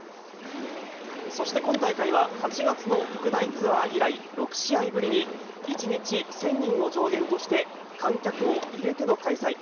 そして今大会は、８月の国内ツアー以来、６試合ぶりに、１日１０００人を上限として、観客を入れての開催。